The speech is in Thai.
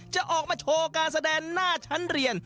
จะออกมาโชว์การแสดงหน้าชั้นเรียน